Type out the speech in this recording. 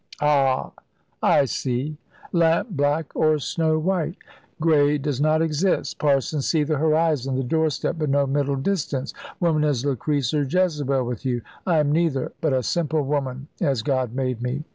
"Ah! I see. Lamp black or snow white; grey does not exist. Parsons see the horizon, the doorstep, but no middle distance. Woman is Lucrece or Jezebel, with you. I am neither; but a simple woman, as God made me."